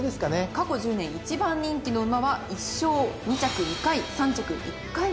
過去１０年１番人気の馬は１勝２着２回３着１回となります。